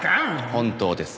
本当です